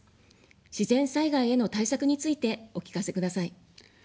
自然災害への対策についてお聞かせください。